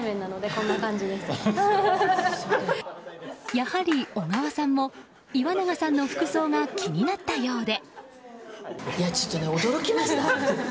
やはり小川さんも、岩永さんの服装が気になったようで。